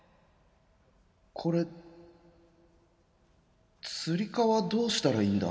これつり革どうしたらいいんだ？